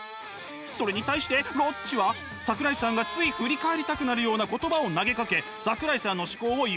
それに対してロッチは桜井さんがつい振り返りたくなるような言葉を投げかけ桜井さんの思考を誘惑します。